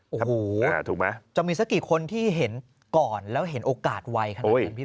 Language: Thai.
โอ้โหถูกไหมจะมีสักกี่คนที่เห็นก่อนแล้วเห็นโอกาสไวขนาดนั้นพี่